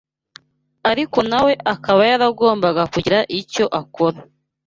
ariko na we akaba yaragombaga kugira icyo akora.